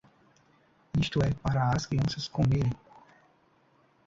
Isto é para as crianças comerem.